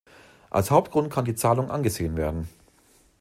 Als Hauptgrund kann die Zahlung angesehen werden.